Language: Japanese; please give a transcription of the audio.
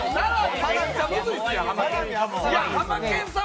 ハマケンさん